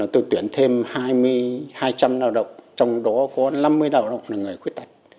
tôi tuyển thêm hai trăm linh lao động trong đó có năm mươi lao động là người khuyết tật